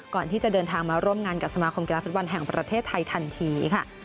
ก่อนที่จะเดินทางมาร่วมงานกับสมาคมกีฬาฟุตบอลแห่งประเทศไทยทันทีค่ะ